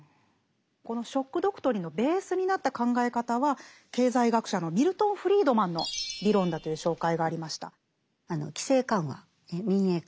この「ショック・ドクトリン」のベースになった考え方は経済学者のミルトン・フリードマンの理論だという紹介がありました。